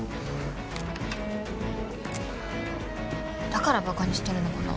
だから馬鹿にしてるのかな？